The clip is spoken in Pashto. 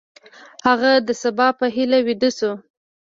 هغه د سبا په هیله ویده شو.